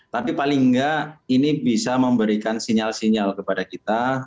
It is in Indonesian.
tapi paling nggak ini bisa memberikan sinyal sinyal kepada kita